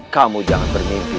kamu jangan bermimpi